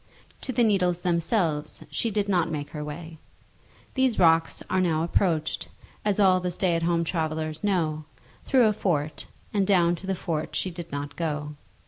To the Needles themselves she did not make her way. These rocks are now approached, as all the stay at home travellers know, through a fort, and down to the fort she did not go.